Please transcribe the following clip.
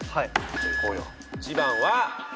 じゃいこうよ。